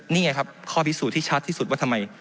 นี่ไงครับข้อพิสูจน์ที่ชัดที่สุดว่าทำไม